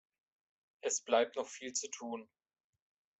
Es bleibt noch viel zu tun.